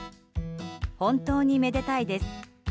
本当にめでたいです。